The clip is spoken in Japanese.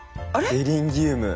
エリンギウム。